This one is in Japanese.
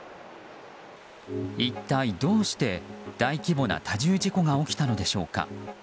一体どうして大規模な多重事故が起きたのでしょうか？